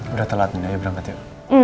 udah telat nih ayo berangkat yuk